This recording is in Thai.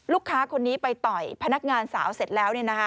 ลูกค้าคนนี้ไปต่อยพนักงานสาวเสร็จแล้ว